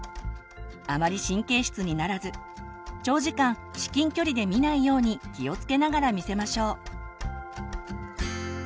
あまり神経質にならず長時間至近距離で見ないように気をつけながら見せましょう。